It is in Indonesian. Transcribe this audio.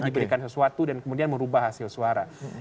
diberikan sesuatu dan kemudian merubah hasil suara